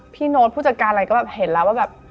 โน้ตผู้จัดการอะไรก็แบบเห็นแล้วว่าแบบ